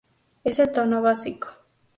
Es el tono básico.